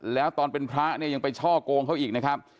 แล้วตอนเป็นพระเนี่ยยังไปช่อโกงเขาอีกนะครับ